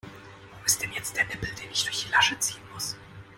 Wo ist denn jetzt der Nippel, den ich durch die Lasche ziehen muss?